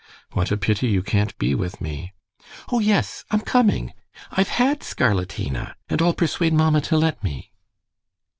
"What a pity you can't be with me!" "Oh, yes, I'm coming. I've had scarlatina, and I'll persuade mamma to let me."